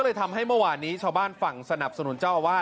นี่นี่แหละ